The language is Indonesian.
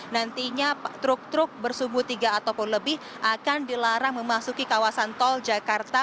nantinya truk truk bersumbu tiga ataupun lebih akan dilarang memasuki kawasan tol jakarta